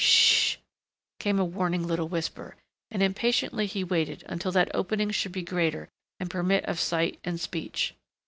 "S sh!" came a warning little whisper, and impatiently he waited until that opening should be greater and permit of sight and speech.